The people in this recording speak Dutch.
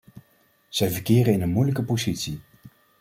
Zij verkeren in een moeilijke positie.